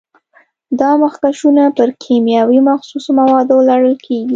دا مخکشونه پر کیمیاوي مخصوصو موادو لړل کېږي.